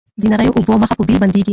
د نریو اوبو مخ په بېل بندیږي